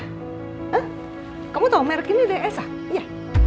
hah kamu tau merk ini dari elsa iya